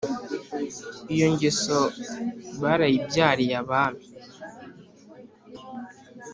Iyo ngeso barayibyariye abami